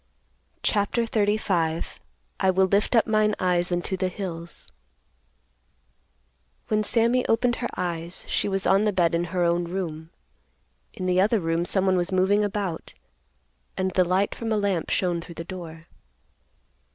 CHAPTER XXXV. "I WILL LIFT UP MINE EYES UNTO THE HILLS." When Sammy opened her eyes, she was on the bed in her own room. In the other room someone was moving about, and the light from a lamp shone through the door.